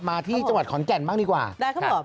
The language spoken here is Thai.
มาที่จังหวัดขอนแก่นบ้างดีกว่าได้คำตอบ